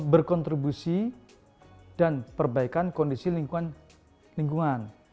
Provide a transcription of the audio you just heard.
berkontribusi dan perbaikan kondisi lingkungan